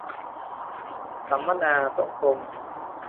สัมมนาโต๊ะกลม